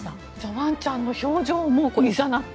ワンちゃんの表情もいざなって。